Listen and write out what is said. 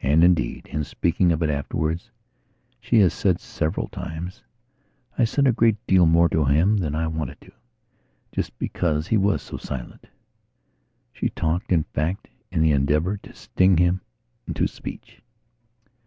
And, indeed, in speaking of it afterwards, she has said several times: "I said a great deal more to him than I wanted to, just because he was so silent." She talked, in fact, in the endeavour to sting him into speech.